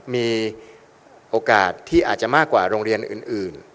มีโอกาสที่อาจจะมากกว่าโรงเรียนอื่น